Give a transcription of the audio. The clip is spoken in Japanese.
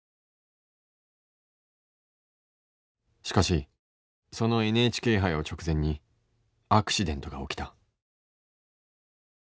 しかしそのＮＨＫ杯を直前にアクシデントが起きた。